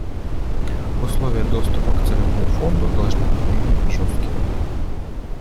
Условия доступа к Целевому фонду должны быть менее жесткими.